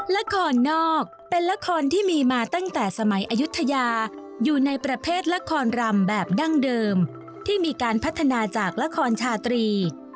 ละครนอกเป็นละครที่มีมาตั้งแต่สมัยอายุทยาอยู่ในประเภทละครรำแบบดั้งเดิมที่มีการพัฒนาจากละครชาตรี